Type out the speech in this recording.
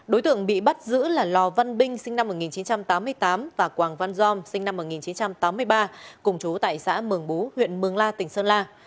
đối tượng bị bắt giữ là lò văn binh sinh năm một nghìn chín trăm tám mươi tám và quảng văn dom sinh năm một nghìn chín trăm tám mươi ba cùng chú tại xã mường bú huyện mường la tỉnh sơn la